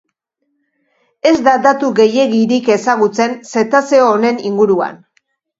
Ez da datu gehiegirik ezagutzen zetazeo honen inguruan.